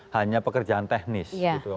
hanya pekerjaan teknis